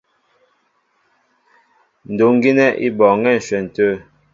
Ndúŋ gínɛ́ í bɔɔŋɛ́ á ǹshwɛn tê.